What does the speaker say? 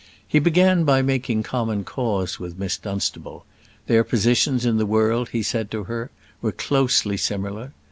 He began by making common cause with Miss Dunstable: their positions in the world, he said to her, were closely similar.